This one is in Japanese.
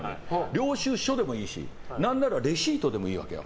領収書でもいいし何ならレシートでもいいわけよ。